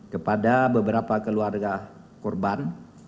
kepada beberapa keluarga korban